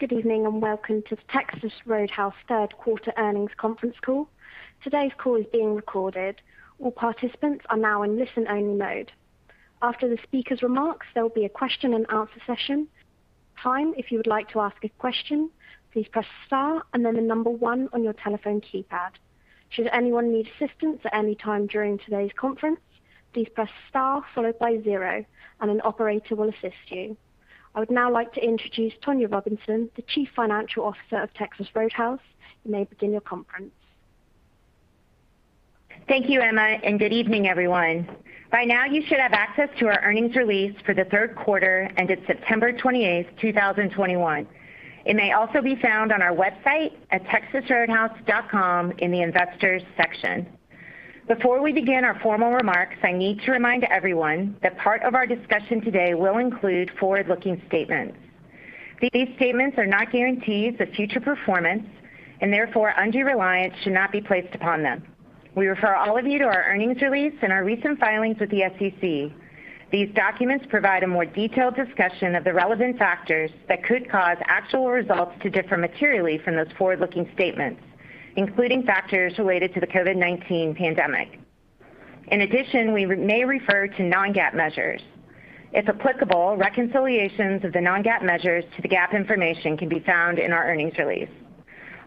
Good evening, and welcome to Texas Roadhouse Q3 Earnings Conference Call. Today's call is being recorded. All participants are now in listen-only mode. After the speaker's remarks, there will be a question-and-answer session. If you would like to ask a question, please press star and then the number one on your telephone keypad. Should anyone need assistance at any time during today's conference, please press star followed by zero and an operator will assist you. I would now like to introduce Tonya Robinson, the Chief Financial Officer of Texas Roadhouse. You may begin your conference. Thank you, Emma, and good evening, everyone. By now you should have access to our earnings release for the Q3 ended 28 September 2021. It may also be found on our website at texasroadhouse.com in the Investors section. Before we begin our formal remarks, I need to remind everyone that part of our discussion today will include forward-looking statements. These statements are not guarantees of future performance and therefore undue reliance should not be placed upon them. We refer all of you to our earnings release and our recent filings with the SEC. These documents provide a more detailed discussion of the relevant factors that could cause actual results to differ materially from those forward-looking statements, including factors related to the COVID-19 pandemic. In addition, we may refer to non-GAAP measures. If applicable, reconciliations of the non-GAAP measures to the GAAP information can be found in our earnings release.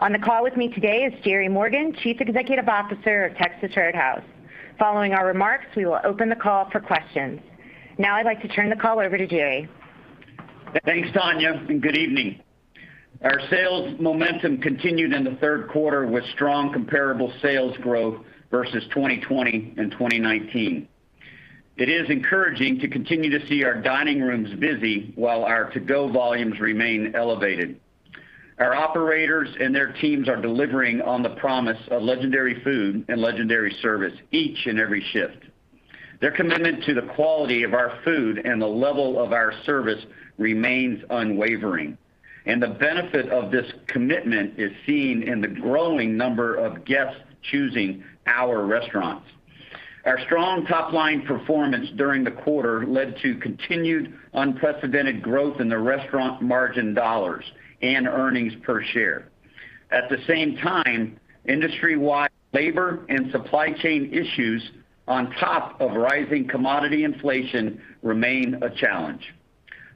On the call with me today is Jerry Morgan, Chief Executive Officer of Texas Roadhouse. Following our remarks, we will open the call for questions. Now I'd like to turn the call over to Jerry. Thanks, Tonya, and good evening. Our sales momentum continued in the Q3 with strong comparable sales growth versus 2020 and 2019. It is encouraging to continue to see our dining rooms busy while our to-go volumes remain elevated. Our operators and their teams are delivering on the promise of legendary food and legendary service each and every shift. Their commitment to the quality of our food and the level of our service remains unwavering. The benefit of this commitment is seen in the growing number of guests choosing our restaurants. Our strong top-line performance during the quarter led to continued unprecedented growth in the restaurant margin dollars and earnings per share. At the same time, industry-wide labor and supply chain issues on top of rising commodity inflation remain a challenge.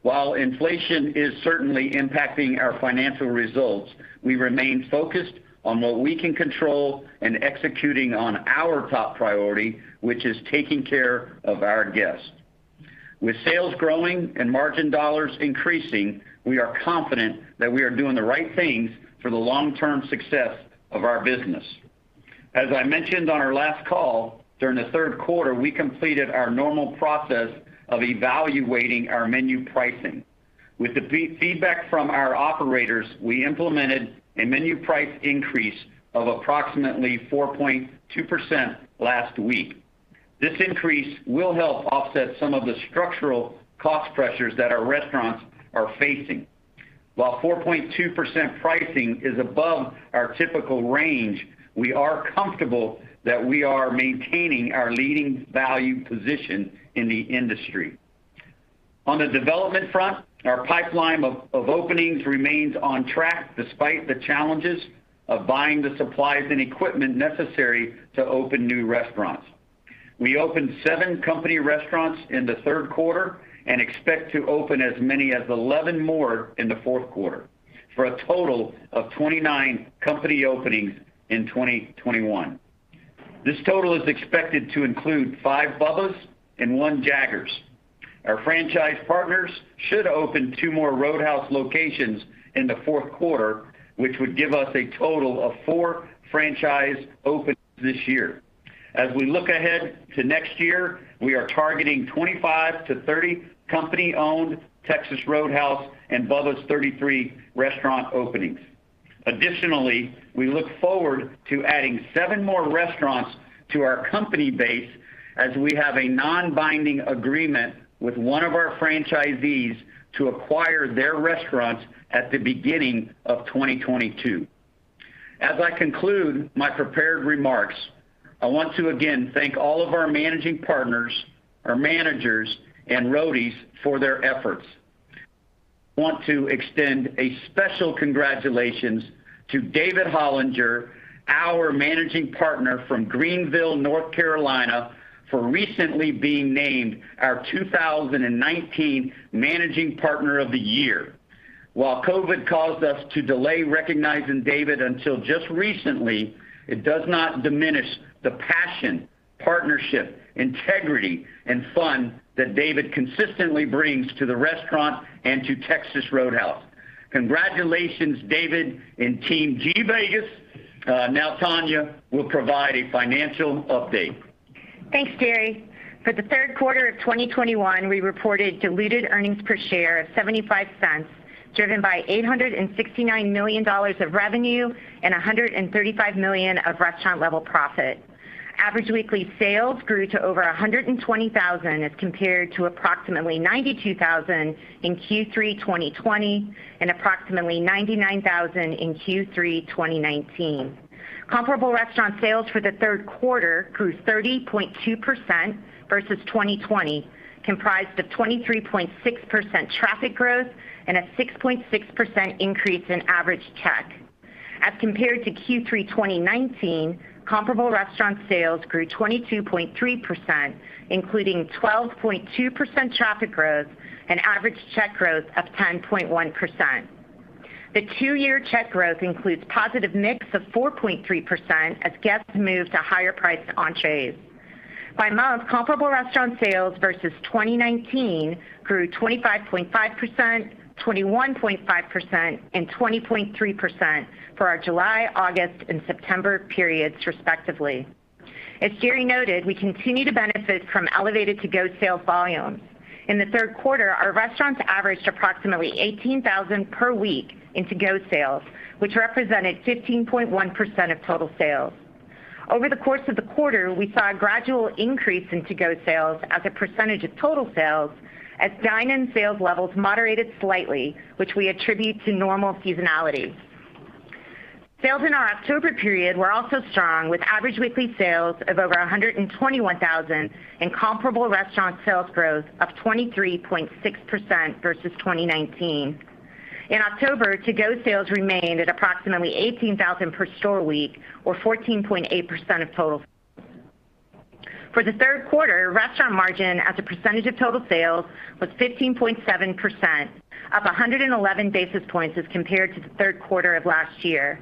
While inflation is certainly impacting our financial results, we remain focused on what we can control and executing on our top priority, which is taking care of our guests. With sales growing and margin dollars increasing, we are confident that we are doing the right things for the long-term success of our business. As I mentioned on our last call, during the Q3, we completed our normal process of evaluating our menu pricing. With the fee-feedback from our operators, we implemented a menu price increase of approximately 4.2% last week. This increase will help offset some of the structural cost pressures that our restaurants are facing. While 4.2% pricing is above our typical range, we are comfortable that we are maintaining our leading value position in the industry. On the development front, our pipeline of openings remains on track despite the challenges of buying the supplies and equipment necessary to open new restaurants. We opened seven company restaurants in the Q3 and expect to open as many as 11 more in the Q4, for a total of 29 company openings in 2021. This total is expected to include five Bubba's and one Jaggers. Our franchise partners should open two more Roadhouse locations in the Q4, which would give us a total of four franchise openings this year. As we look ahead to next year, we are targeting 25-30 company-owned Texas Roadhouse and Bubba's 33 restaurant openings. Additionally, we look forward to adding seven more restaurants to our company base as we have a non-binding agreement with one of our franchisees to acquire their restaurants at the beginning of 2022. As I conclude my prepared remarks, I want to again thank all of our managing partners, our managers and Roadies for their efforts. I want to extend a special congratulations to David Hollinger, our managing partner from Greenville, North Carolina, for recently being named our 2019 Managing Partner of the Year. While COVID caused us to delay recognizing David until just recently, it does not diminish the passion, partnership, integrity, and fun that David consistently brings to the restaurant and to Texas Roadhouse. Congratulations, David and Team G Vegas. Now, Tonya will provide a financial update. Thanks, Jerry. For the Q3 of 2021, we reported diluted earnings per share of $0.75, driven by $869 million of revenue and $135 million of restaurant level profit. Average weekly sales grew to over $120,000 as compared to approximately $92,000 in Q3 2020 and approximately $99,000 in Q3 2019. Comparable restaurant sales for the Q3 grew 30.2% versus 2020, comprised of 23.6% traffic growth and a 6.6% increase in average check. As compared to Q3 2019, comparable restaurant sales grew 22.3%, including 12.2% traffic growth and average check growth of 10.1%. The two-year check growth includes positive mix of 4.3% as guests move to higher priced entrees. By month, comparable restaurant sales versus 2019 grew 25.5%, 21.5%, and 20.3% for our July, August, and September periods, respectively. Jerry noted, we continue to benefit from elevated to-go sales volumes. In the Q3, our restaurants averaged approximately $18,000 per week in to-go sales, which represented 15.1% of total sales. Over the course of the quarter, we saw a gradual increase in to-go sales as a percentage of total sales as dine-in sales levels moderated slightly, which we attribute to normal seasonality. Sales in our October period were also strong, with average weekly sales of over $121,000 and comparable restaurant sales growth of 23.6% versus 2019. In October, to-go sales remained at approximately $18,000 per store week or 14.8% of total. For the Q3, restaurant margin as a percentage of total sales was 15.7%, up 111 basis points as compared to the Q3 of last year.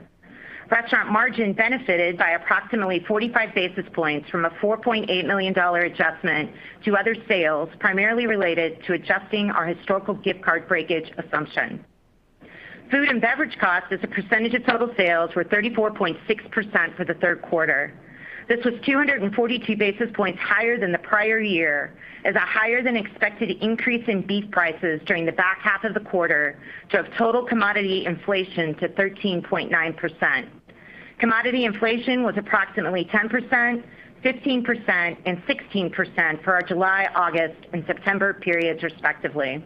Restaurant margin benefited by approximately 45 basis points from a $4.8 million adjustment to other sales, primarily related to adjusting our historical gift card breakage assumption. Food and beverage costs as a percentage of total sales were 34.6% for the Q3. This was 242 basis points higher than the prior year as a higher than expected increase in beef prices during the back half of the quarter drove total commodity inflation to 13.9%. Commodity inflation was approximately 10%, 15%, and 16% for our July, August, and September periods, respectively.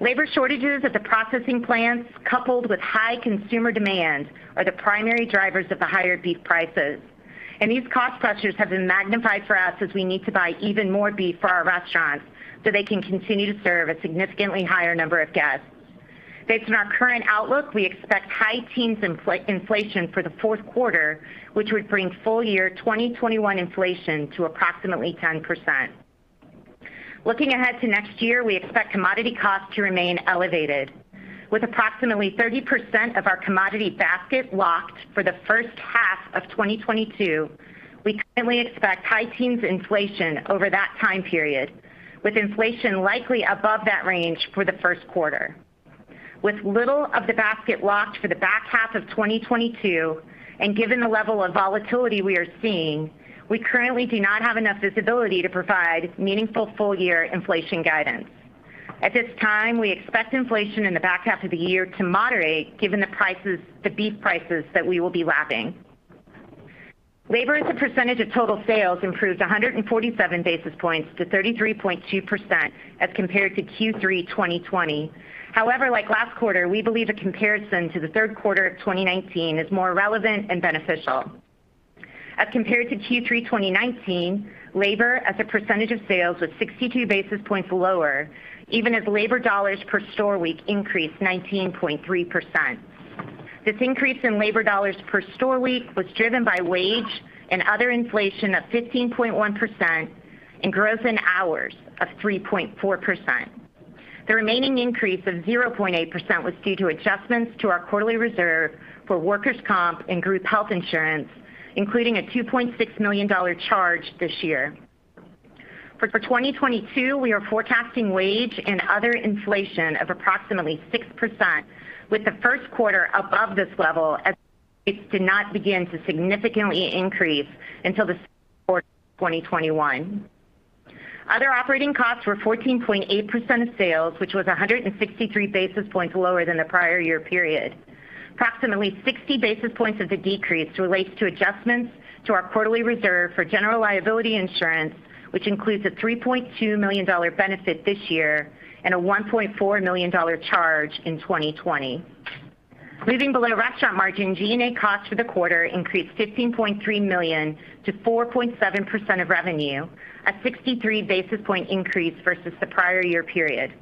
Labor shortages at the processing plants coupled with high consumer demand are the primary drivers of the higher beef prices. These cost pressures have been magnified for us as we need to buy even more beef for our restaurants so they can continue to serve a significantly higher number of guests. Based on our current outlook, we expect high teens inflation for the Q4, which would bring full year 2021 inflation to approximately 10%. Looking ahead to next year, we expect commodity costs to remain elevated. With approximately 30% of our commodity basket locked for the first half of 2022, we currently expect high teens inflation over that time period, with inflation likely above that range for the Q1. With little of the basket locked for the back half of 2022, and given the level of volatility we are seeing, we currently do not have enough visibility to provide meaningful full year inflation guidance. At this time, we expect inflation in the back half of the year to moderate given the prices, the beef prices that we will be lapping. Labor as a percentage of total sales improved 147 basis points to 33.2% as compared to Q3 2020. However, like last quarter, we believe a comparison to the Q3 of 2019 is more relevant and beneficial. As compared to Q3 2019, labor as a percentage of sales was 62 basis points lower, even as labor dollars per store week increased 19.3%. This increase in labor dollars per store week was driven by wage and other inflation of 15.1% and growth in hours of 3.4%. The remaining increase of 0.8% was due to adjustments to our quarterly reserve for workers' comp and group health insurance, including a $2.6 million charge this year. For 2022, we are forecasting wage and other inflation of approximately 6%, with the Q1 above this level as it did not begin to significantly increase until the Q4 of 2021. Other operating costs were 14.8% of sales, which was 163 basis points lower than the prior year period. Approximately 60 basis points of the decrease relates to adjustments to our quarterly reserve for general liability insurance, which includes a $3.2 million benefit this year and a $1.4 million charge in 2020. Leaving below restaurant margin, G&A costs for the quarter increased $15.3 million to 4.7% of revenue, a 63 basis point increase versus the prior year period.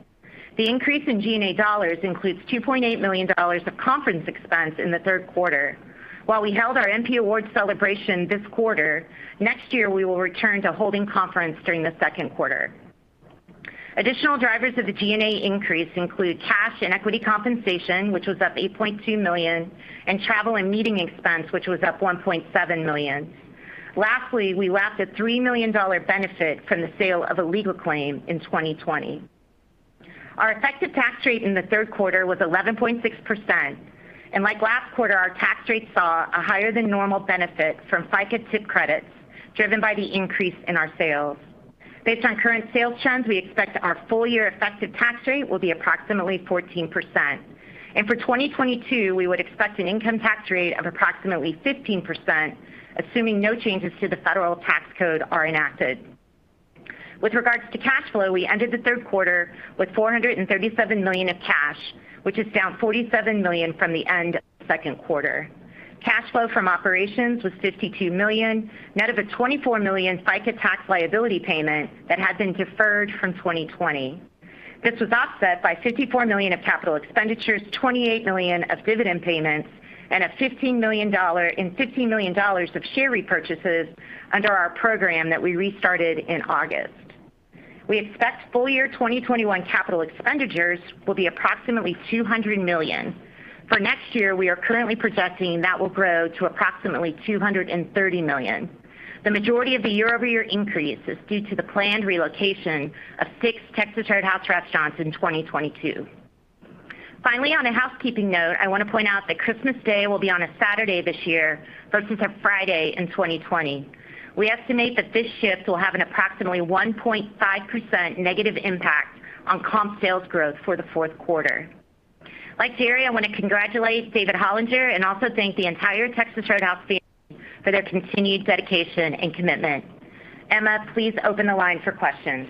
The increase in G&A dollars includes $2.8 million of conference expense in the Q3. While we held our MP awards celebration this quarter, next year we will return to holding conference during the Q2. Additional drivers of the G&A increase include cash and equity compensation, which was up $8.2 million, and travel and meeting expense, which was up $1.7 million. Lastly, we lapped a $3 million benefit from the sale of a legal claim in 2020. Our effective tax rate in the Q3 was 11.6%. Like last quarter, our tax rate saw a higher than normal benefit from FICA tip credits driven by the increase in our sales. Based on current sales trends, we expect our full year effective tax rate will be approximately 14%. For 2022, we would expect an income tax rate of approximately 15%, assuming no changes to the federal tax code are enacted. With regards to cash flow, we ended the Q3 with $437 million of cash, which is down $47 million from the end of Q2. Cash flow from operations was $52 million, net of a $24 million FICA tax liability payment that had been deferred from 2020. This was offset by $54 million of capital expenditures, $28 million of dividend payments, and $15 million of share repurchases under our program that we restarted in August. We expect full year 2021 capital expenditures will be approximately $200 million. For next year, we are currently projecting that will grow to approximately $230 million. The majority of the year-over-year increase is due to the planned relocation of six Texas Roadhouse restaurants in 2022. Finally, on a housekeeping note, I want to point out that Christmas Day will be on a Saturday this year versus a Friday in 2020. We estimate that this shift will have an approximately 1.5% negative impact on comp sales growth for the Q4. Like Jerry, I want to congratulate David Hollinger and also thank the entire Texas Roadhouse family for their continued dedication and commitment. Emma, please open the line for questions.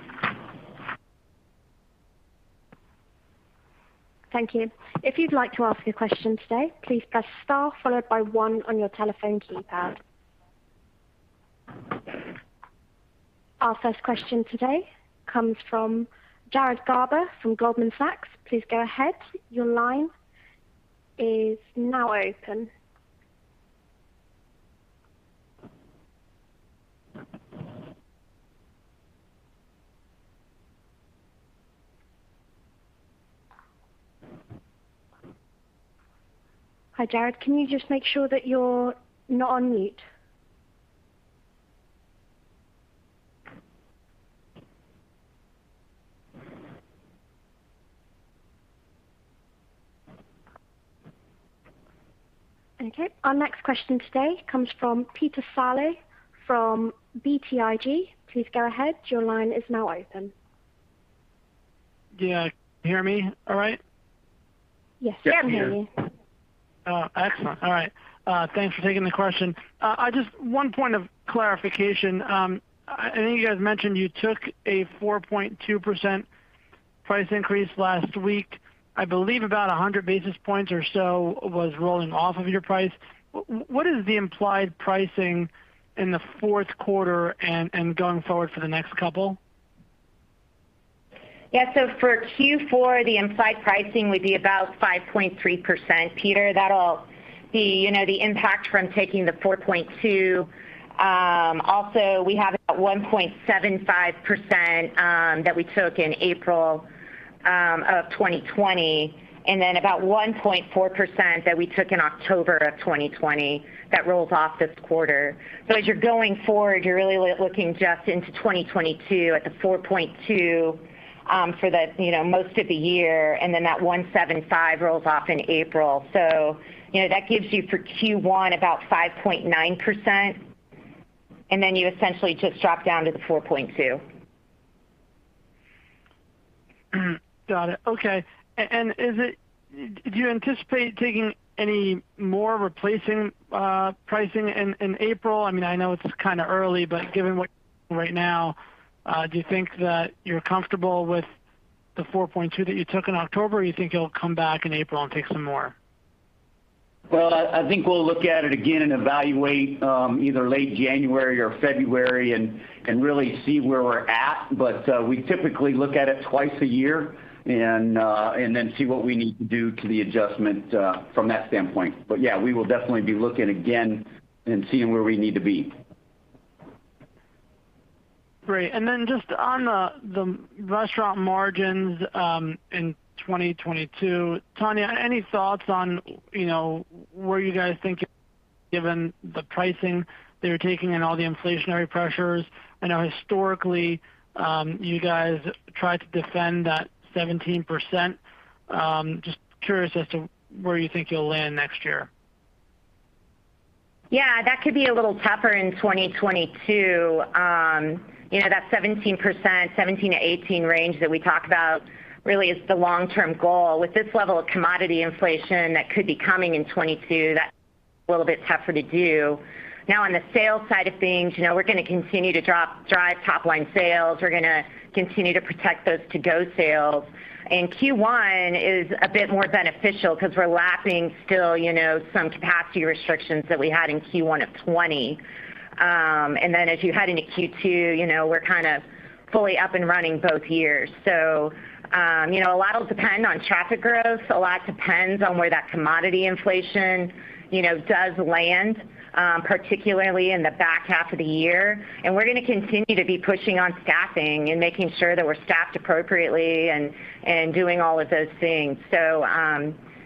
Our first question today comes from Jared Garber from Goldman Sachs. Please go ahead. Your line is now open. Hi, Jared. Can you just make sure that you're not on mute? Okay. Our next question today comes from Peter Saleh from BTIG. Please go ahead. Your line is now open. Yeah. Can you hear me all right? Yes. Yes, we can hear you. Oh, excellent. All right. Thanks for taking the question. One point of clarification. I think you guys mentioned you took a 4.2% price increase last week. I believe about 100 basis points or so was rolling off of your price. What is the implied pricing in the Q4 and going forward for the next couple? Yeah. For Q4, the implied pricing would be about 5.3%, Peter. That'll be, you know, the impact from taking the 4.2%. Also, we have about 1.75% that we took in April of 2020, and then about 1.4% that we took in October of 2020 that rolls off this quarter. As you're going forward, you're really looking just into 2022 at the 4.2% for the, you know, most of the year, and then that 1.75% rolls off in April. You know, that gives you for Q1 about 5.9%, and then you essentially just drop down to the 4.2%. Got it. Okay. Do you anticipate taking any more pricing in April? I mean, I know it's kind of early, but given where we are right now, do you think that you're comfortable with the 4.2% that you took in October, or you think you'll come back in April and take some more? Well, I think we'll look at it again and evaluate either late January or February and really see where we're at. We typically look at it twice a year and then see what we need to do to the adjustment from that standpoint. Yeah, we will definitely be looking again and seeing where we need to be. Great. Then just on the restaurant margins in 2022. Tanya, any thoughts on where you guys think given the pricing that you're taking and all the inflationary pressures? I know historically, you guys tried to defend that 17%. Just curious as to where you think you'll land next year. Yeah, that could be a little tougher in 2022. You know, that 17%, 17%-18% range that we talk about really is the long-term goal. With this level of commodity inflation that could be coming in 2022, that's a little bit tougher to do. Now, on the sales side of things, you know, we're gonna continue to drive top line sales. We're gonna continue to protect those to-go sales. Q1 is a bit more beneficial because we're lapping still, you know, some capacity restrictions that we had in Q1 of 2020. And then as you head into Q2, you know, we're kind of fully up and running both years. You know, a lot will depend on traffic growth. A lot depends on where that commodity inflation, you know, does land, particularly in the back half of the year. We're gonna continue to be pushing on staffing and making sure that we're staffed appropriately and doing all of those things.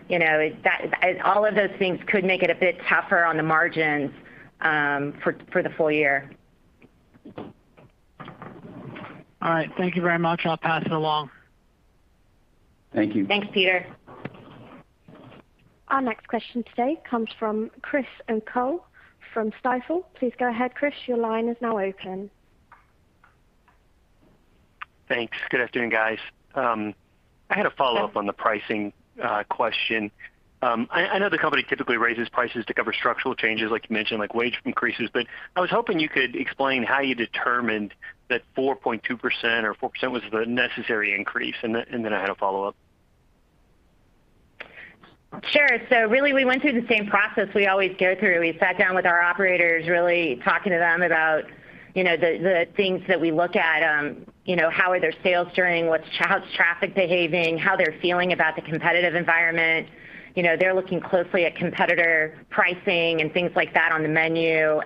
You know, that all of those things could make it a bit tougher on the margins for the full year. All right. Thank you very much. I'll pass it along. Thank you. Thanks, Peter. Our next question today comes from Chris O'Cull from Stifel. Please go ahead, Chris. Your line is now open. Thanks. Good afternoon, guys. I had a follow-up on the pricing question. I know the company typically raises prices to cover structural changes, like you mentioned, like wage increases. I was hoping you could explain how you determined that 4.2% or 4% was the necessary increase, and then I had a follow-up. Sure. Really, we went through the same process we always go through. We sat down with our operators, really talking to them about, you know, the things that we look at, you know, how are their sales doing, how's traffic behaving, how they're feeling about the competitive environment. You know, they're looking closely at competitor pricing and things like that on the menu.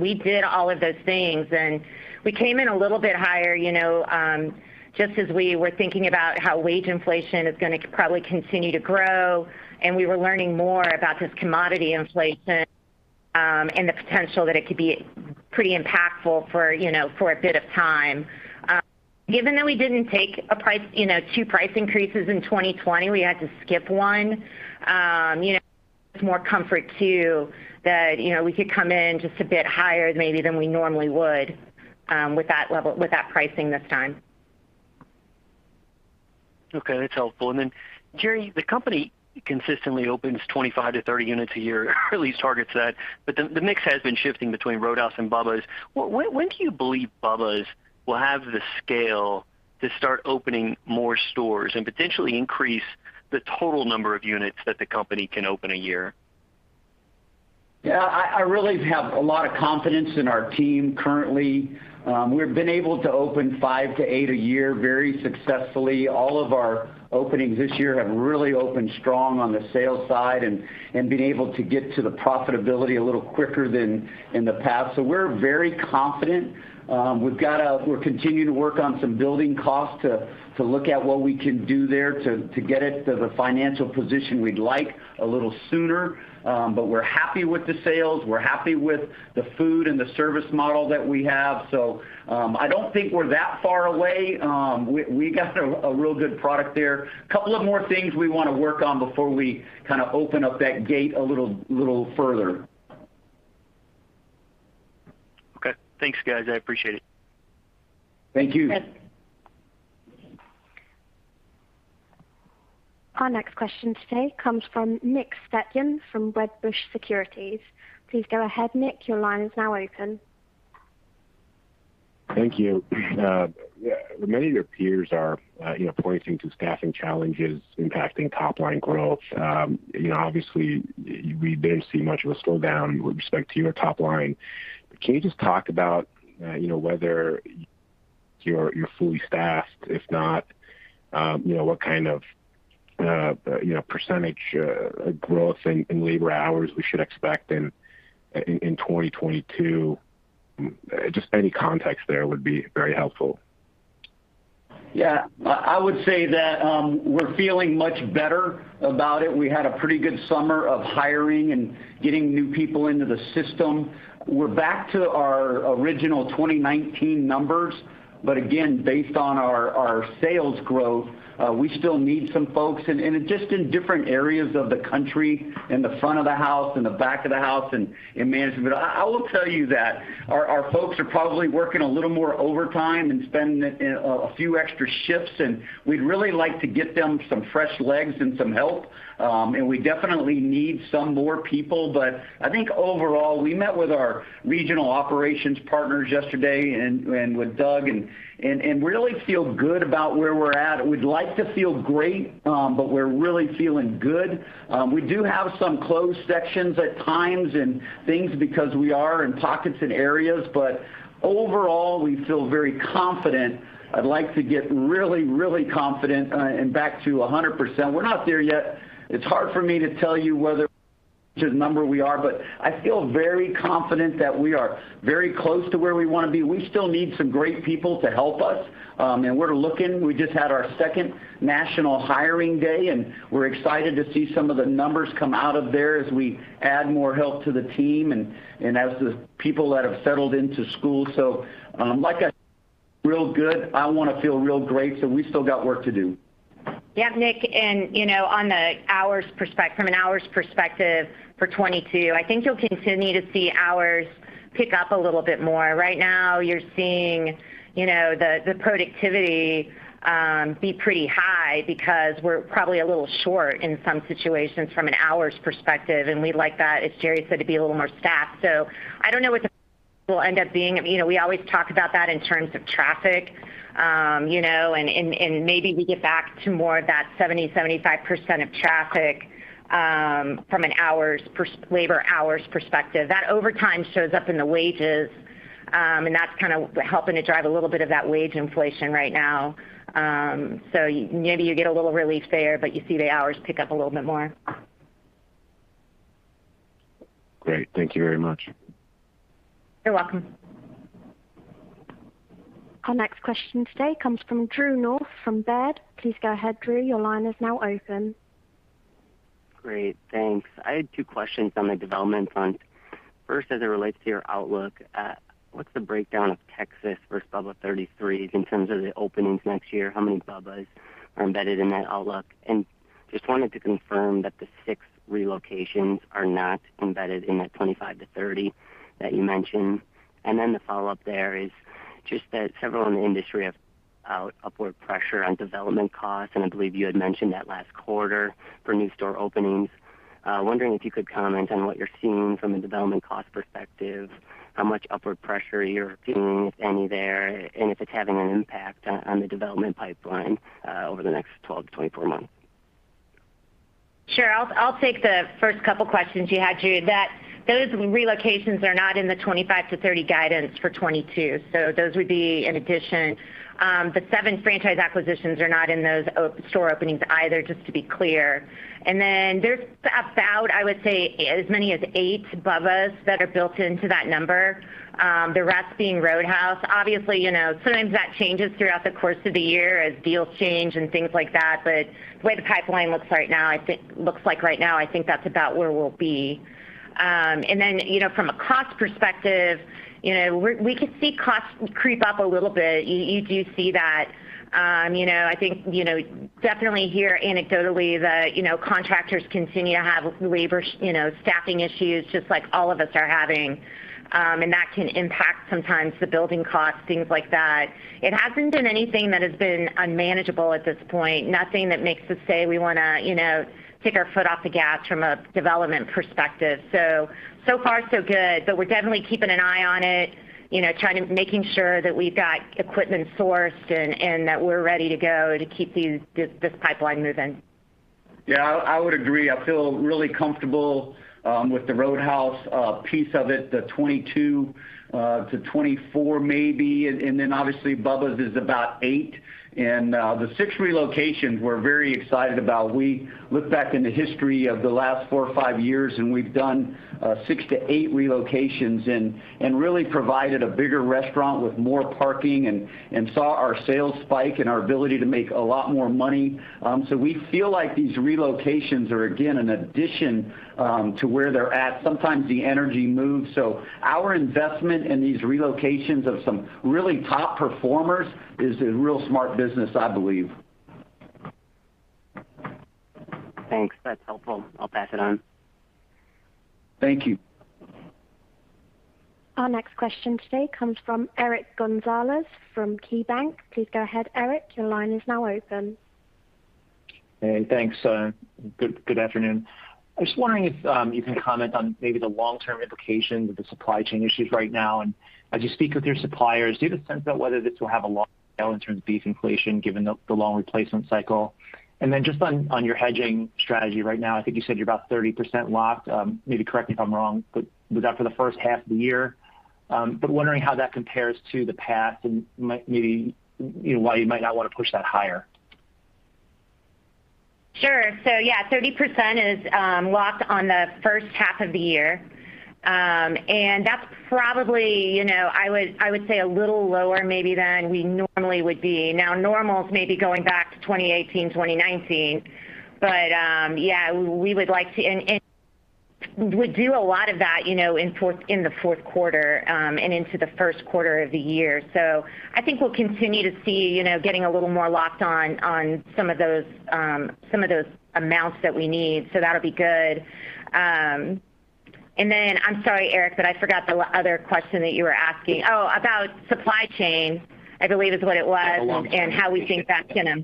We did all of those things, and we came in a little bit higher, you know, just as we were thinking about how wage inflation is gonna probably continue to grow, and we were learning more about this commodity inflation, and the potential that it could be pretty impactful for, you know, for a bit of time. Given that we didn't take a price, you know, two price increases in 2020, we had to skip one, you know, it's more comfort too that, you know, we could come in just a bit higher maybe than we normally would, with that level with that pricing this time. Okay, that's helpful. Then, Jerry, the company consistently opens 25-30 units a year, or at least targets that. The mix has been shifting between Roadhouse and Bubba's. When do you believe Bubba's will have the scale to start opening more stores and potentially increase the total number of units that the company can open a year? Yeah. I really have a lot of confidence in our team currently. We've been able to open five to eight a year very successfully. All of our openings this year have really opened strong on the sales side and been able to get to the profitability a little quicker than in the past. We're very confident. We're continuing to work on some building costs to look at what we can do there to get it to the financial position we'd like a little sooner. We're happy with the sales. We're happy with the food and the service model that we have. I don't think we're that far away. We got a real good product there. A couple of more things we wanna work on before we kind of open up that gate a little further. Okay. Thanks, guys. I appreciate it. Thank you. Thanks. Our next question today comes from Nick Setyan from Wedbush Securities. Please go ahead, Nick. Your line is now open. Thank you. Many of your peers are, you know, pointing to staffing challenges impacting top line growth. You know, obviously we didn't see much of a slowdown with respect to your top line. Can you just talk about, you know, whether you're fully staffed? If not, you know, what kind of percentage growth in labor hours we should expect in 2022? Just any context there would be very helpful. Yeah. I would say that we're feeling much better about it. We had a pretty good summer of hiring and getting new people into the system. We're back to our original 2019 numbers, but again, based on our sales growth, we still need some folks. Just in different areas of the country, in the front of the house, in the back of the house, and in management. I will tell you that our folks are probably working a little more overtime and spending a few extra shifts, and we'd really like to get them some fresh legs and some help. We definitely need some more people. I think overall, we met with our regional operations partners yesterday and with Doug and really feel good about where we're at. We'd like to feel great, but we're really feeling good. We do have some closed sections at times and things because we are in pockets and areas. Overall, we feel very confident. I'd like to get really, really confident, and back to 100%. We're not there yet. It's hard for me to tell you what number we are, but I feel very confident that we are very close to where we wanna be. We still need some great people to help us, and we're looking. We just had our second national hiring day, and we're excited to see some of the numbers come out of there as we add more help to the team and as the people that have settled into school. Like, I feel real good. I wanna feel real great. We still got work to do. Yeah, Nick, you know, from an hours perspective for 22, I think you'll continue to see hours pick up a little bit more. Right now you're seeing, you know, the productivity be pretty high because we're probably a little short in some situations from an hours perspective, and we'd like that, as Jerry said, to be a little more staffed. I don't know what the will end up being. You know, we always talk about that in terms of traffic, you know, and maybe we get back to more of that 70%-75% of traffic, from a labor hours perspective. That overtime shows up in the wages, and that's kind of helping to drive a little bit of that wage inflation right now. Maybe you get a little relief there, but you see the hours pick up a little bit more. Great. Thank you very much. You're welcome. Our next question today comes from Drew North from Baird. Please go ahead, Drew. Your line is now open. Great. Thanks. I had two questions on the development front. First, as it relates to your outlook, what's the breakdown of Texas Roadhouse versus Bubba's 33s in terms of the openings next year? How many Bubba's 33s are embedded in that outlook. Just wanted to confirm that the six relocations are not embedded in that 25%-30% that you mentioned. Then the follow-up there is just that several in the industry have noted upward pressure on development costs, and I believe you had mentioned that last quarter for new store openings. Wondering if you could comment on what you're seeing from a development cost perspective, how much upward pressure you're feeling, if any, there, and if it's having an impact on the development pipeline over the next 12-24 months. Sure. I'll take the first couple questions you had, Drew. Those relocations are not in the 25%-30% guidance for 2022. Those would be an addition. The seven franchise acquisitions are not in those store openings either, just to be clear. Then there's about, I would say, as many as eight Bubba's that are built into that number, the rest being Roadhouse. Obviously, you know, sometimes that changes throughout the course of the year as deals change and things like that. The way the pipeline looks right now, I think that's about where we'll be. Then, you know, from a cost perspective, you know, we could see costs creep up a little bit. You do see that, you know, I think, you know, definitely hear anecdotally the, you know, contractors continue to have labor, you know, staffing issues just like all of us are having. That can impact sometimes the building costs, things like that. It hasn't been anything that has been unmanageable at this point. Nothing that makes us say we wanna, you know, take our foot off the gas from a development perspective. So far so good, but we're definitely keeping an eye on it, you know, trying to making sure that we've got equipment sourced and that we're ready to go to keep this pipeline moving. Yeah. I would agree. I feel really comfortable with the Roadhouse piece of it, the 22 to 24 maybe. Then obviously Bubba's is about eight. The six relocations we're very excited about. We look back in the history of the last four or five years, and we've done six to eight relocations and really provided a bigger restaurant with more parking and saw our sales spike and our ability to make a lot more money. We feel like these relocations are again an addition to where they're at. Sometimes the energy moves. Our investment in these relocations of some really top performers is a real smart business, I believe. Thanks. That's helpful. I'll pass it on. Thank you. Our next question today comes from Eric Gonzalez from KeyBanc. Please go ahead, Eric. Your line is now open. Hey, thanks. Good afternoon. I was wondering if you can comment on maybe the long-term implications of the supply chain issues right now. As you speak with your suppliers, do you have a sense of whether this will have a long tail in terms of beef inflation, given the long replacement cycle? Just on your hedging strategy right now, I think you said you're about 30% locked, maybe correct me if I'm wrong, but was that for the first half of the year, wondering how that compares to the past and maybe, you know, why you might not want to push that higher. Sure. Yeah, 30% is locked on the first half of the year. That's probably, you know, I would say a little lower maybe than we normally would be. Now normal is maybe going back to 2018, 2019. We would like to and would do a lot of that, you know, in the Q4 and into the Q1 of the year. I think we'll continue to see, you know, getting a little more locked on some of those amounts that we need. That'll be good. Then I'm sorry, Eric, but I forgot the other question that you were asking. Oh, about supply chain, I believe is what it was. The long-term implications. How we think that's gonna.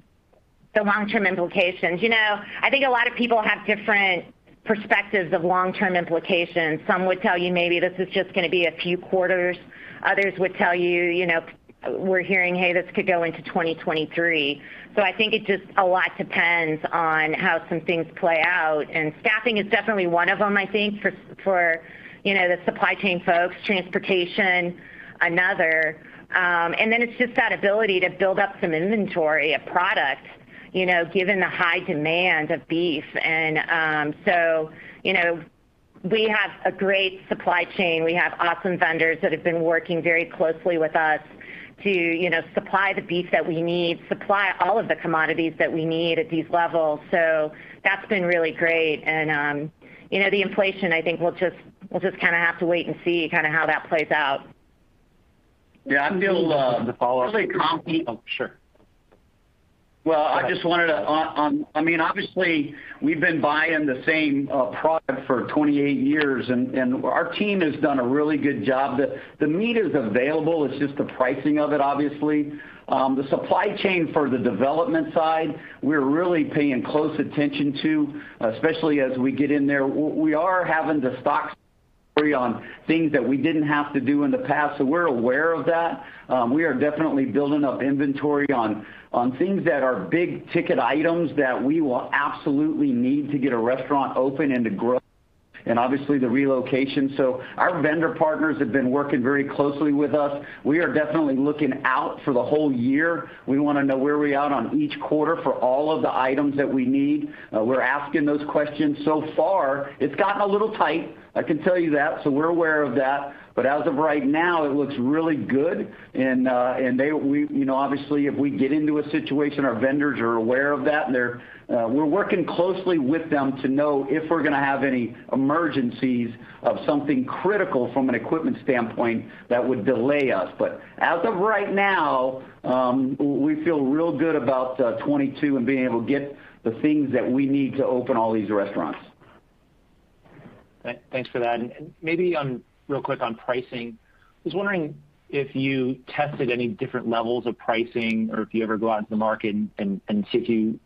The long-term implications. You know, I think a lot of people have different perspectives of long-term implications. Some would tell you maybe this is just gonna be a few quarters. Others would tell you know, we're hearing, "Hey, this could go into 2023." I think it's just a lot depends on how some things play out. Staffing is definitely one of them, I think, for you know, the supply chain folks. Transportation, another. Then it's just that ability to build up some inventory of product, you know, given the high demand of beef. You know, we have a great supply chain. We have awesome vendors that have been working very closely with us to, you know, supply the beef that we need, supply all of the commodities that we need at these levels. That's been really great. You know, the inflation, I think we'll just kinda have to wait and see kinda how that plays out. Yeah. I feel, To follow up. Really confi- Oh, sure. Well, I just wanted to. I mean, obviously, we've been buying the same product for 28 years and our team has done a really good job. The meat is available. It's just the pricing of it, obviously. The supply chain for the development side, we're really paying close attention to, especially as we get in there. We are having to stock on things that we didn't have to do in the past. We're aware of that. We are definitely building up inventory on things that are big ticket items that we will absolutely need to get a restaurant open and to grow, and obviously the relocation. Our vendor partners have been working very closely with us. We are definitely looking out for the whole year. We wanna know where we're at on each quarter for all of the items that we need. We're asking those questions. So far, it's gotten a little tight, I can tell you that. We're aware of that. As of right now, it looks really good. You know, obviously, if we get into a situation, our vendors are aware of that, and we're working closely with them to know if we're gonna have any emergencies of something critical from an equipment standpoint that would delay us. As of right now, we feel real good about 2022 and being able to get the things that we need to open all these restaurants. Thanks for that. Maybe real quick on pricing. I was wondering if you tested any different levels of pricing or if you ever go out into the market and see if you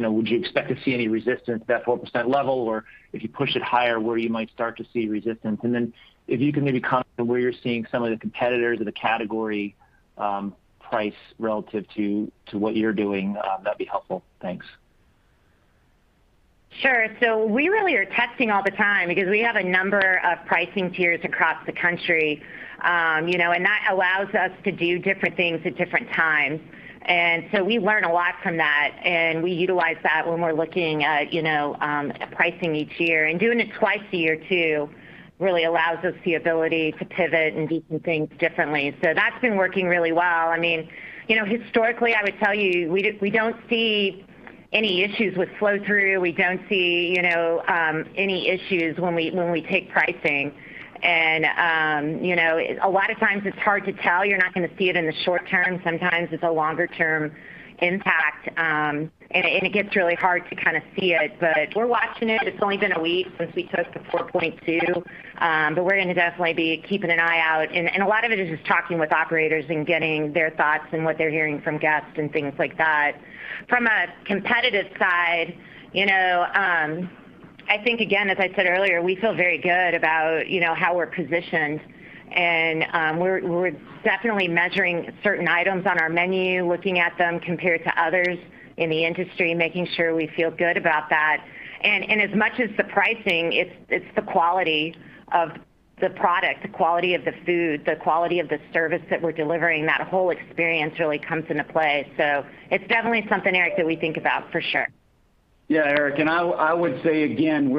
know would you expect to see any resistance at that 4% level or if you push it higher where you might start to see resistance? Then if you can maybe comment on where you're seeing some of the competitors or the category price relative to what you're doing, that'd be helpful. Thanks. Sure. We really are testing all the time because we have a number of pricing tiers across the country, you know, and that allows us to do different things at different times. We learn a lot from that, and we utilize that when we're looking at, you know, pricing each year. Doing it twice a year too really allows us the ability to pivot and do some things differently. That's been working really well. I mean, you know, historically, I would tell you, we don't see any issues with flow through. We don't see, you know, any issues when we take pricing. You know, a lot of times it's hard to tell. You're not gonna see it in the short term. Sometimes it's a longer term impact, and it gets really hard to kind of see it. We're watching it. It's only been a week since we took the 4.2%, but we're gonna definitely be keeping an eye out. A lot of it is just talking with operators and getting their thoughts and what they're hearing from guests and things like that. From a competitive side, you know, I think again, as I said earlier, we feel very good about, you know, how we're positioned. We're definitely measuring certain items on our menu, looking at them compared to others in the industry, making sure we feel good about that. As much as the pricing, it's the quality of the product, the quality of the food, the quality of the service that we're delivering, that whole experience really comes into play. It's definitely something, Eric, that we think about for sure. Yeah, Eric, I would say again,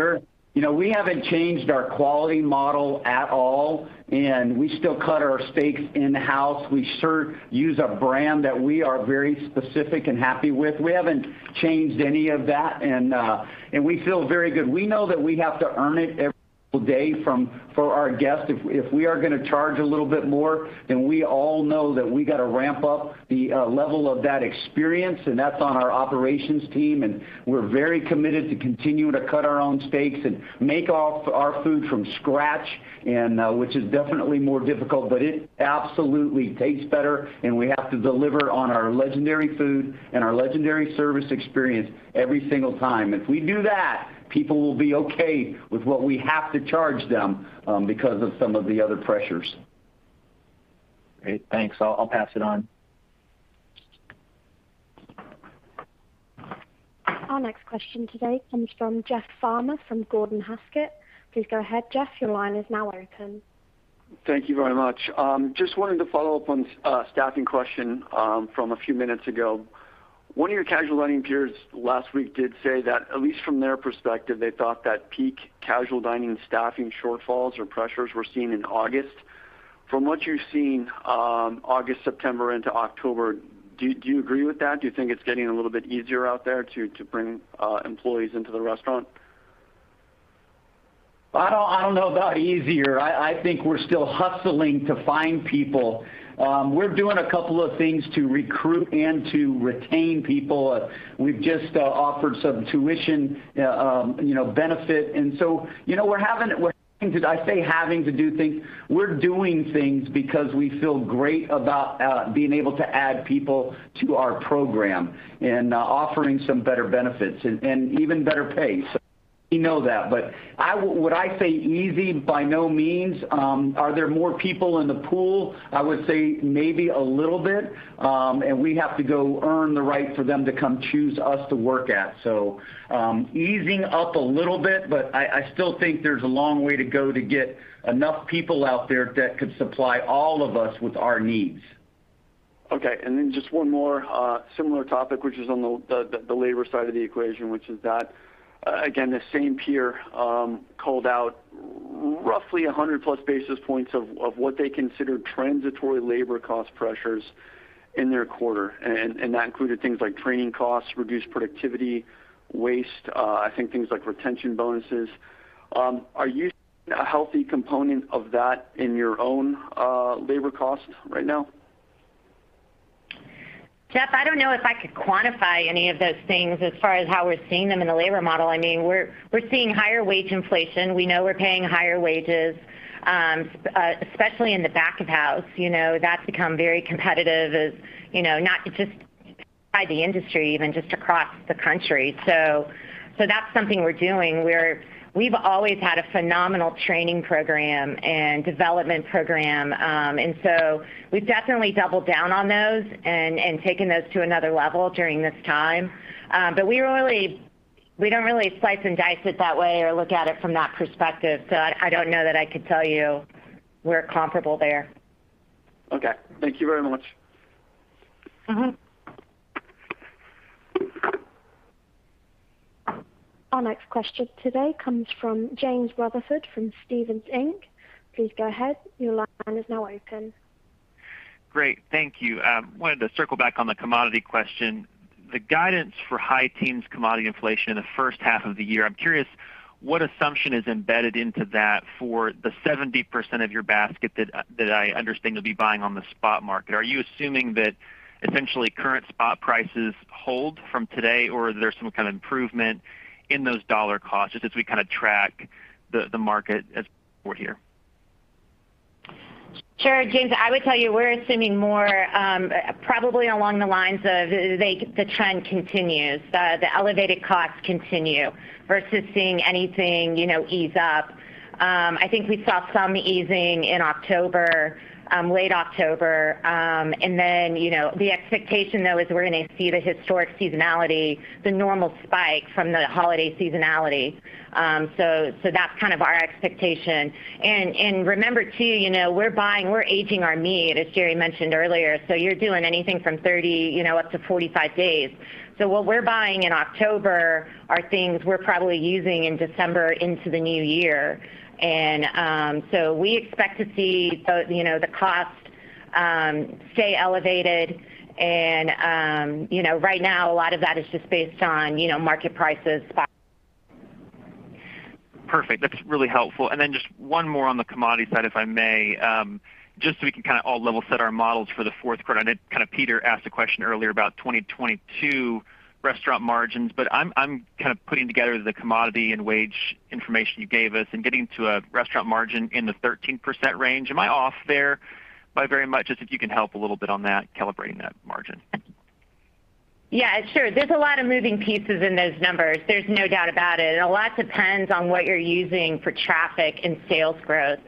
you know, we haven't changed our quality model at all, and we still cut our steaks in-house. We use a brand that we are very specific and happy with. We haven't changed any of that, and we feel very good. We know that we have to earn it every single day for our guests. If we are gonna charge a little bit more, then we all know that we got to ramp up the level of that experience, and that's on our operations team, and we're very committed to continuing to cut our own steaks and make all our food from scratch, which is definitely more difficult, but it absolutely tastes better, and we have to deliver on our legendary food and our legendary service experience every single time. If we do that, people will be okay with what we have to charge them, because of some of the other pressures. Great. Thanks. I'll pass it on. Our next question today comes from Jeff Farmer from Gordon Haskett. Please go ahead, Jeff. Your line is now open. Thank you very much. Just wanted to follow up on staffing question from a few minutes ago. One of your casual dining peers last week did say that, at least from their perspective, they thought that peak casual dining staffing shortfalls or pressures were seen in August. From what you've seen, August, September into October, do you agree with that? Do you think it's getting a little bit easier out there to bring employees into the restaurant? I don't know about easier. I think we're still hustling to find people. We're doing a couple of things to recruit and to retain people. We've just offered some tuition, you know, benefit. You know, Did I say having to do things? We're doing things because we feel great about being able to add people to our program and offering some better benefits and even better pay. We know that. But would I say easy? By no means. Are there more people in the pool? I would say maybe a little bit. We have to go earn the right for them to come choose us to work at. Easing up a little bit, but I still think there's a long way to go to get enough people out there that could supply all of us with our needs. Okay. Just one more similar topic, which is on the labor side of the equation, which is that again, the same peer called out roughly 100+ basis points of what they consider transitory labor cost pressures in their quarter. That included things like training costs, reduced productivity, waste, I think things like retention bonuses. Are you seeing a healthy component of that in your own labor cost right now? Jeff, I don't know if I could quantify any of those things as far as how we're seeing them in the labor model. I mean, we're seeing higher wage inflation. We know we're paying higher wages, especially in the back of house. You know, that's become very competitive as you know, not just by the industry, even just across the country. So that's something we're doing. We've always had a phenomenal training program and development program, and so we've definitely doubled down on those and taken those to another level during this time. But we don't really slice and dice it that way or look at it from that perspective. So I don't know that I could tell you we're comparable there. Okay. Thank you very much. Mm-hmm. Our next question today comes from James Rutherford from Stephens Inc. Please go ahead. Your line is now open. Great. Thank you. Wanted to circle back on the commodity question. The guidance for high teens commodity inflation in the first half of the year, I'm curious what assumption is embedded into that for the 70% of your basket that I understand you'll be buying on the spot market. Are you assuming that essentially current spot prices hold from today, or is there some kind of improvement in those dollar costs just as we kind of track the market as we're here? Sure, James, I would tell you we're assuming more, probably along the lines of the trend continues, the elevated costs continue versus seeing anything, you know, ease up. I think we saw some easing in October, late October. You know, the expectation though is we're going to see the historic seasonality, the normal spike from the holiday seasonality. So that's kind of our expectation. Remember too, you know, we're aging our meat, as Jerry mentioned earlier, so you're doing anything from 30, you know, up to 45 days. What we're buying in October are things we're probably using in December into the new year. We expect to see the, you know, the cost stay elevated and, you know, right now a lot of that is just based on, you know, market prices by Perfect. That's really helpful. Just one more on the commodity side, if I may, just so we can kind of all level set our models for the fourth quarter. I know kind of Peter asked a question earlier about 2022 restaurant margins, but I'm kind of putting together the commodity and wage information you gave us and getting to a restaurant margin in the 13% range. Am I off there by very much? Just if you can help a little bit on that, calibrating that margin. Yeah, sure. There's a lot of moving pieces in those numbers. There's no doubt about it. A lot depends on what you're using for traffic and sales growth.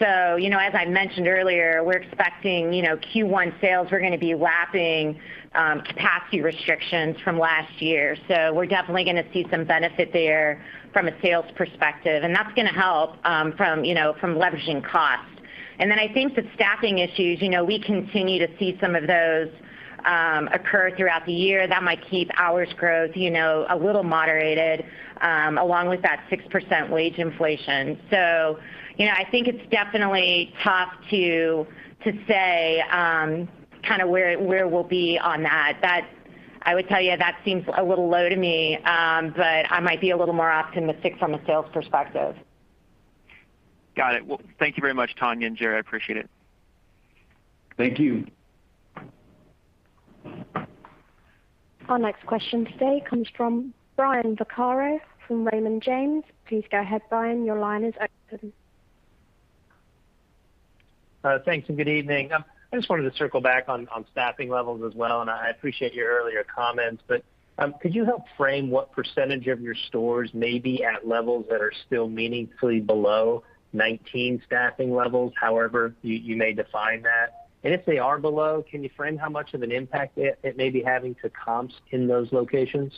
You know, as I mentioned earlier, we're expecting, you know, Q1 sales, we're going to be lapping capacity restrictions from last year. We're definitely going to see some benefit there from a sales perspective, and that's going to help from, you know, from leveraging costs. I think the staffing issues, you know, we continue to see some of those occur throughout the year that might keep hours growth, you know, a little moderated along with that 6% wage inflation. You know, I think it's definitely tough to say kind of where we'll be on that. I would tell you that seems a little low to me, but I might be a little more optimistic from a sales perspective. Got it. Well, thank you very much, Tonya and Jerry. I appreciate it. Thank you. Our next question today comes from Brian Vaccaro from Raymond James. Please go ahead, Brian. Your line is open. Thanks and good evening. I just wanted to circle back on staffing levels as well, and I appreciate your earlier comments, but could you help frame what percentage of your stores may be at levels that are still meaningfully below 2019 staffing levels, however you may define that? If they are below, can you frame how much of an impact it may be having to comps in those locations?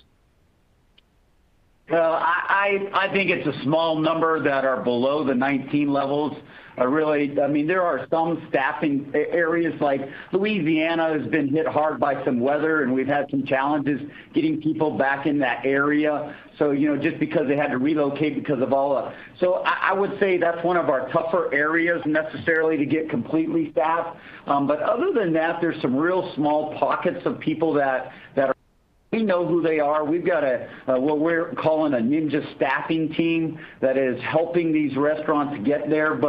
I think it's a small number that are below the 2019 levels. Really, I mean, there are some staffing areas like Louisiana has been hit hard by some weather, and we've had some challenges getting people back in that area. You know, just because they had to relocate because of all the. I would say that's one of our tougher areas necessarily to get completely staffed. But other than that, there's some real small pockets of people that are. We know who they are. We've got a what we're calling a ninja staffing team that is helping these restaurants get there.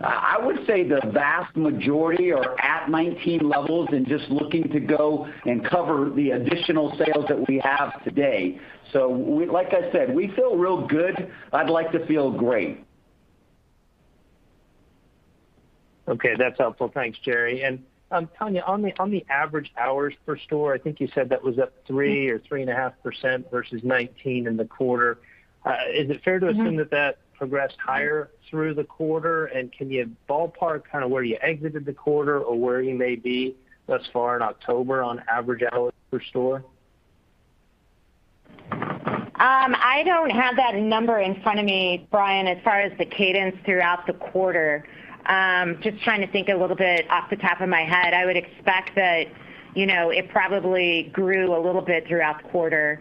I would say the vast majority are at 2019 levels and just looking to go and cover the additional sales that we have today. Like I said, we feel real good. I'd like to feel great. Okay, that's helpful. Thanks, Jerry. Tonya, on the average hours per store, I think you said that was up 3% or 3.5% versus 2019 in the quarter. Is it fair to assume that that progressed higher through the quarter? Can you ballpark kind of where you exited the quarter or where you may be thus far in October on average hours per store? I don't have that number in front of me, Brian, as far as the cadence throughout the quarter. Just trying to think a little bit off the top of my head. I would expect that, you know, it probably grew a little bit throughout the quarter,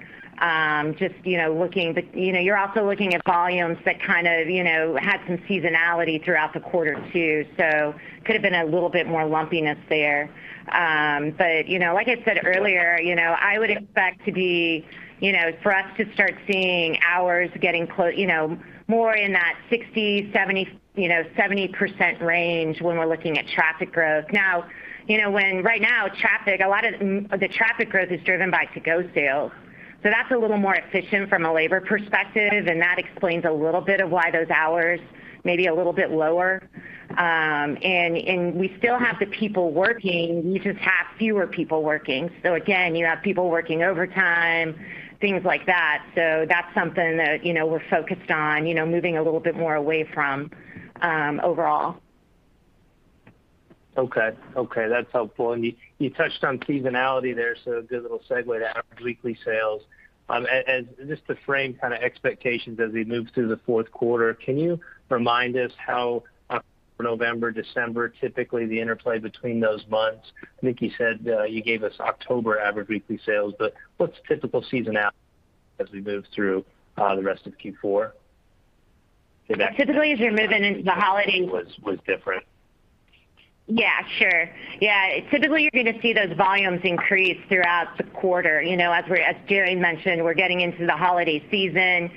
just, you know. You know, you're also looking at volumes that kind of, you know, had some seasonality throughout the quarter too. Could have been a little bit more lumpiness there. You know, like I said earlier, you know, I would expect to be, you know, for us to start seeing hours getting clo-- you know, more in that 60%, 70%, you know, 70% range when we're looking at traffic growth. Now, you know, right now, traffic, a lot of the traffic growth is driven by to-go sales. That's a little more efficient from a labor perspective, and that explains a little bit of why those hours may be a little bit lower. We still have the people working. We just have fewer people working. Again, you have people working overtime, things like that. That's something that, you know, we're focused on, you know, moving a little bit more away from overall. Okay. Okay, that's helpful. You touched on seasonality there, so a good little segue to average weekly sales. Just to frame kind of expectations as we move through the Q4, can you remind us how November, December, typically the interplay between those months? I think you said, you gave us October average weekly sales, but what's typical seasonality as we move through the rest of Q4? Typically, as you're moving into the holiday. Was different. Yeah, sure. Yeah. Typically, you're going to see those volumes increase throughout the quarter. You know, as Jerry mentioned, we're getting into the holiday season,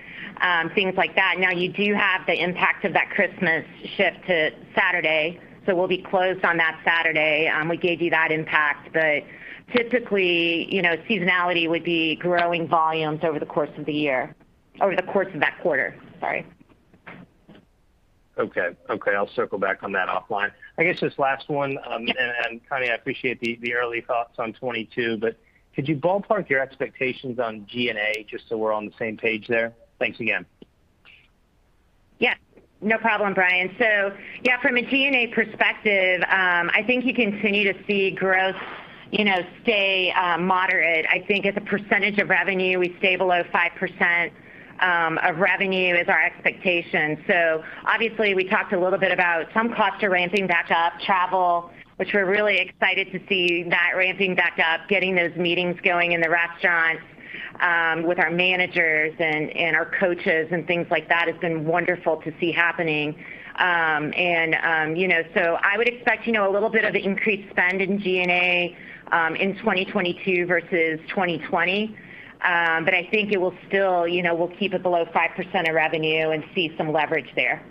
things like that. Now, you do have the impact of that Christmas shift to Saturday, so we'll be closed on that Saturday. We gave you that impact. Typically, you know, seasonality would be growing volumes over the course of the year. Or the course of that quarter. Sorry. Okay. Okay. I'll circle back on that offline. I guess just last one, and Tonya, I appreciate the early thoughts on 2022, but could you ballpark your expectations on G&A just so we're on the same page there? Thanks again. Yeah, no problem, Brian. Yeah, from a G&A perspective, I think you continue to see growth, you know, stay moderate. I think as a percentage of revenue, we stay below 5% of revenue is our expectation. Obviously, we talked a little bit about some costs are ramping back up, travel, which we're really excited to see that ramping back up, getting those meetings going in the restaurants with our managers and our coaches and things like that has been wonderful to see happening. And you know, I would expect, you know, a little bit of increased spend in G&A in 2022 versus 2020. I think it will still, you know, we'll keep it below 5% of revenue and see some leverage there.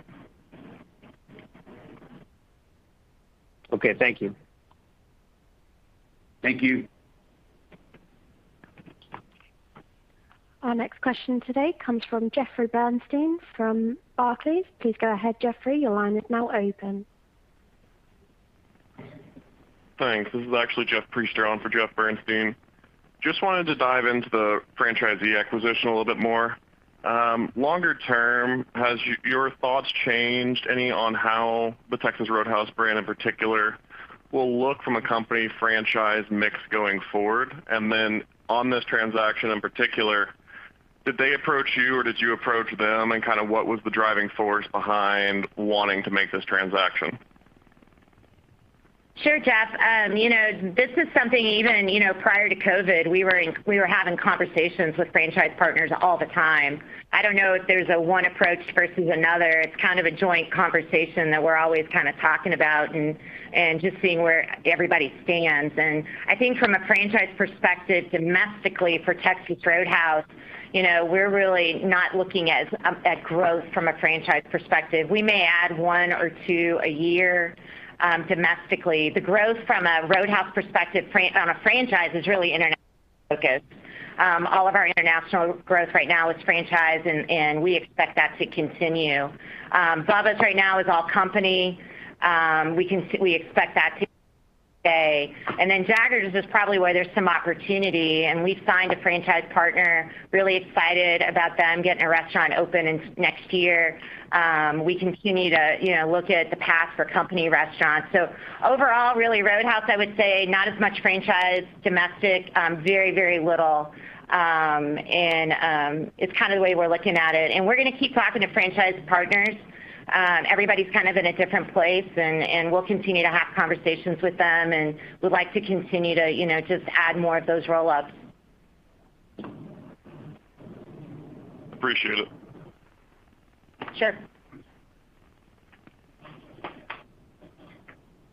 Okay. Thank you. Thank you. Our next question today comes from Jeffrey Bernstein from Barclays. Please go ahead, Jeffrey. Your line is now open. Thanks. This is actually Jeff Priester on for Jeffrey Bernstein. Just wanted to dive into the franchisee acquisition a little bit more. Longer term, has your thoughts changed any on how the Texas Roadhouse brand in particular will look from a company franchise mix going forward? And then on this transaction in particular, did they approach you, or did you approach them, and kind of what was the driving force behind wanting to make this transaction? Sure, Jeff. You know, this is something even, you know, prior to COVID, we were having conversations with franchise partners all the time. I don't know if there's a one approach versus another. It's kind of a joint conversation that we're always kind of talking about and just seeing where everybody stands. I think from a franchise perspective, domestically for Texas Roadhouse, you know, we're really not looking at growth from a franchise perspective. We may add one or two a year, domestically. The growth from a Roadhouse perspective on a franchise is really international focused. All of our international growth right now is franchise and we expect that to continue. Bubba's right now is all company. We expect that to stay. Jaggers is probably where there's some opportunity, and we've signed a franchise partner, really excited about them getting a restaurant open next year. We continue to, you know, look at the path for company restaurants. Overall, really, Roadhouse, I would say not as much franchise domestically, very, very little. It's kind of the way we're looking at it. We're gonna keep talking to franchise partners. Everybody's kind of in a different place and we'll continue to have conversations with them and would like to continue to, you know, just add more of those roll-ups. Appreciate it. Sure.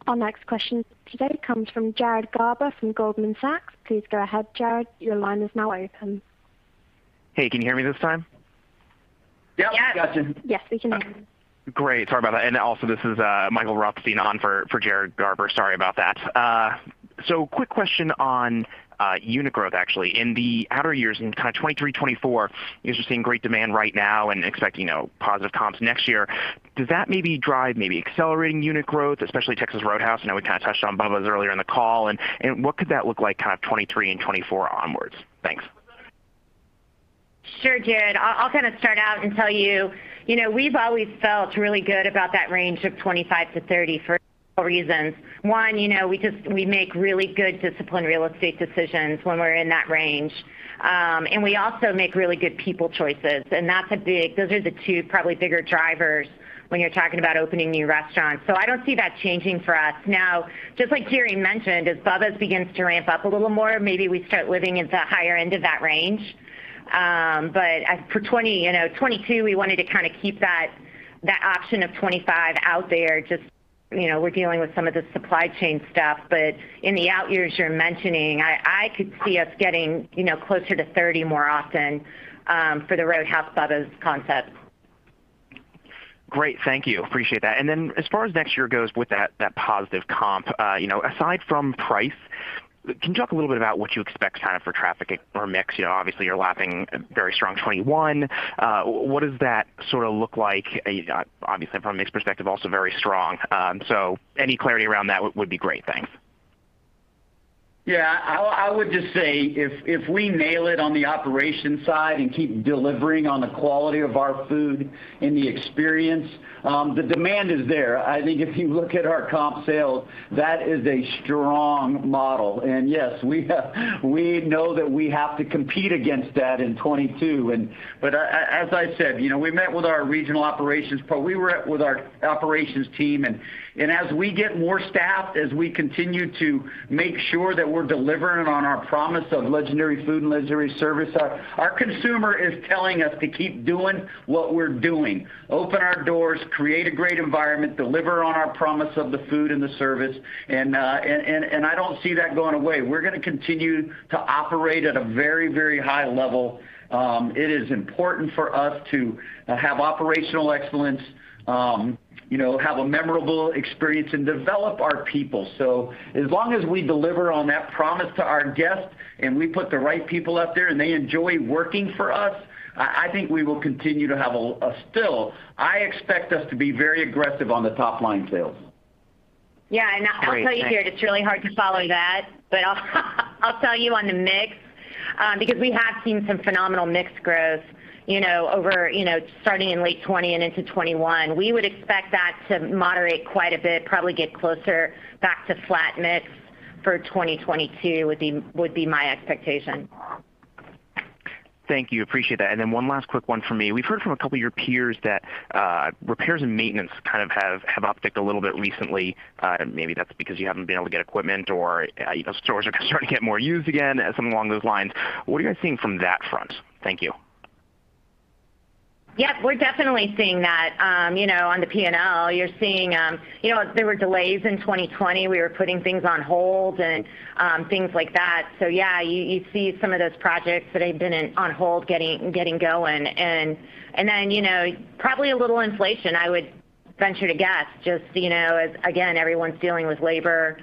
Our next question today comes from Jared Garber from Goldman Sachs. Please go ahead, Jared. Your line is now open. Hey, can you hear me this time? Yep. Yes. Gotcha. Yes, we can hear you. Great. Sorry about that. This is Michael Rothstein on for Jared Garber. Sorry about that. Quick question on unit growth, actually. In the outer years, in kind of 2023, 2024, you guys are seeing great demand right now and expect, you know, positive comps next year. Does that maybe drive maybe accelerating unit growth, especially Texas Roadhouse? I know we kind of touched on Bubba's earlier in the call, and what could that look like kind of 2023 and 2024 onwards? Thanks. Sure, Jared. I'll kind of start out and tell you know, we've always felt really good about that range of 25%-30% for a couple reasons. One, you know, we just we make really good disciplined real estate decisions when we're in that range. And we also make really good people choices, and that's a big. Those are the two probably bigger drivers when you're talking about opening new restaurants. I don't see that changing for us. Now, just like Jerry mentioned, as Bubba's begins to ramp up a little more, maybe we start living at the higher end of that range. As for 20, you know, 22, we wanted to kind of keep that option of 25 out there just, you know, we're dealing with some of the supply chain stuff. In the out years you're mentioning, I could see us getting, you know, closer to 30 more often for the Roadhouse Bubba's concepts. Great. Thank you. Appreciate that. As far as next year goes with that positive comp, you know, aside from price, can you talk a little bit about what you expect kind of for traffic or mix? You know, obviously you're lapping a very strong 2021. What does that sort of look like, obviously from a mix perspective, also very strong. Any clarity around that would be great. Thanks. Yeah. I would just say if we nail it on the operations side and keep delivering on the quality of our food and the experience, the demand is there. I think if you look at our comp sales, that is a strong model. Yes, we know that we have to compete against that in 2022. As I said, you know, we met with our regional operations team. As we get more staffed, as we continue to make sure that we're delivering on our promise of legendary food and legendary service, our consumer is telling us to keep doing what we're doing, open our doors, create a great environment, deliver on our promise of the food and the service. I don't see that going away. We're gonna continue to operate at a very, very high level. It is important for us to have operational excellence, you know, have a memorable experience, and develop our people. As long as we deliver on that promise to our guests and we put the right people out there, and they enjoy working for us, I think we will continue to have. Still, I expect us to be very aggressive on the top line sales. Yeah, I'll tell you here, it's really hard to follow that. I'll tell you on the mix, because we have seen some phenomenal mix growth, you know, over, you know, starting in late 2020 and into 2021. We would expect that to moderate quite a bit, probably get closer back to flat mix for 2022 would be my expectation. Thank you. Appreciate that. Then one last quick one for me. We've heard from a couple of your peers that, repairs and maintenance kind of have upticked a little bit recently. Maybe that's because you haven't been able to get equipment or, you know, stores are starting to get more used again, something along those lines. What are you guys seeing from that front? Thank you. Yeah, we're definitely seeing that, you know, on the P&L. You're seeing, you know, there were delays in 2020. We were putting things on hold and things like that. So yeah, you see some of those projects that had been on hold getting going. And then, you know, probably a little inflation, I would venture to guess. Just, you know, as again, everyone's dealing with labor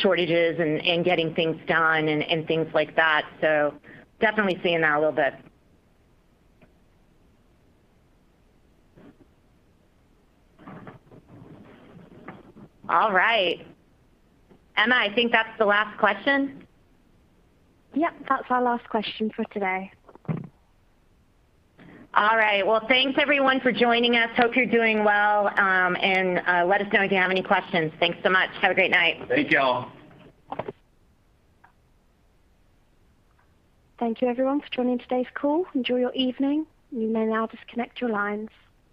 shortages and getting things done and things like that. So definitely seeing that a little bit. All right. Emma, I think that's the last question. Yep, that's our last question for today. All right. Well, thanks everyone for joining us. Hope you're doing well. Let us know if you have any questions. Thanks so much. Have a great night. Thank you all. Thank you everyone for joining today's call. Enjoy your evening. You may now disconnect your lines.